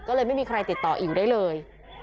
ก็เลยไม่มีใครติดต่ออิ๋วได้เลย